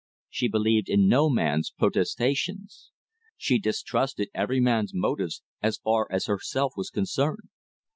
She believed in no man's protestations. She distrusted every man's motives as far as herself was concerned.